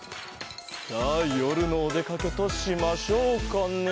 さあよるのおでかけとしましょうかね。